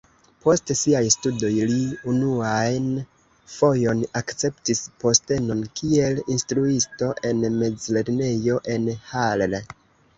Post siaj studoj li unuan fojon akceptis postenon kiel instruisto en mezlernejo en Halle.